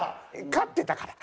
勝ってたから。